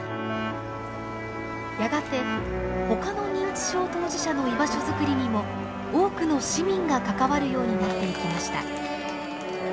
やがてほかの認知症当事者の居場所づくりにも多くの市民が関わるようになっていきました。